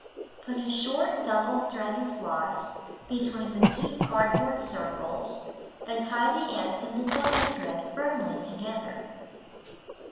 Put a short double thread of floss between the 2 card board circles and tie the ends of the double thread firmly together.